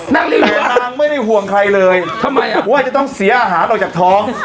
นักนักนางไม่ได้ห่วงใครเลยทำไมอ่ะว่าจะต้องเสียอาหารออกจากท้อ